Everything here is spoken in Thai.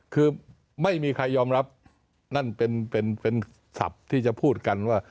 คือไม่มีใครยอมรับนั่นเป็นศัพท์ที่จะพูดกันว่า